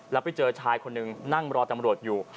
แล้วไปเจอชายคนหนึ่งนั่งรอตำรวจอยู่